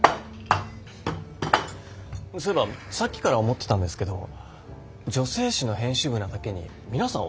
そういえばさっきから思ってたんですけど女性誌の編集部なだけに皆さんおしゃれですね。